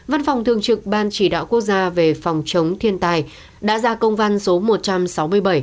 văn phòng thường trực ban chỉ đạo quốc gia về phòng chống thiên tai đã ra công văn số một trăm sáu mươi bảy